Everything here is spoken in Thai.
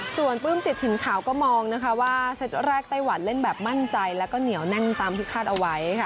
ส่วนปลื้มจิตถิ่นขาวก็มองนะคะว่าเซตแรกไต้หวันเล่นแบบมั่นใจแล้วก็เหนียวแน่นตามที่คาดเอาไว้ค่ะ